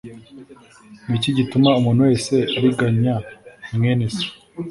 Ni iki gituma umuntu wese ariganya mwene se